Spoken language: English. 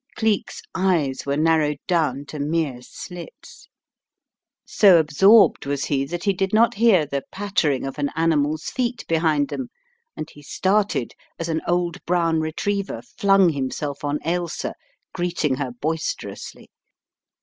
Cleek's eyes were narrowed down to mere slits. So absorbed was he that he did not hear the patter* The Plot Thickens 169 ing of an animal's feet behind them and he started as an old brown retriever flung himself on Ailsa, greeting her boisterously.